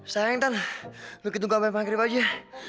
sayang tan lu gitu tunggu sampe maghrib aja